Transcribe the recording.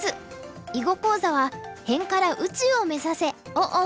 囲碁講座は「辺から宇宙を目指せ！」をお送りします。